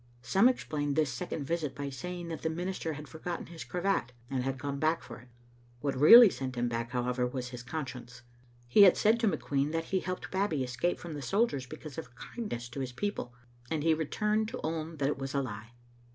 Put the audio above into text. Some explained this second visit by saying that the minister had forgotten his cravat, and had gone back for it. What really sent him back, however, was his conscience. He had said to McQueen that he helped Babbie to escape from the soldiers because of her kind ness to his people, and he returned to own that it was a lie.